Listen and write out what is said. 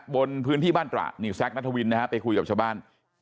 บนพื้นที่บ้านตระนี่แซคนัทวินนะฮะไปคุยกับชาวบ้าน